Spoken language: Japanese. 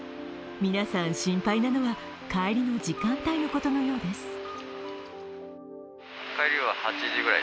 皆さん心配なのは、帰りの時間帯のことのようです。